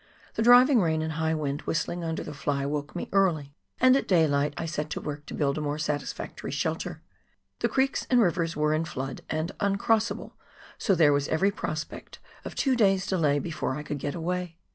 The driving rain and high wind whistling under the fly woke me early, and at daylight I set to work to build a more satisfactory shelter. The creeks and river were in flood and uncrossable, so there was every prospect of two days' delay before I could get away.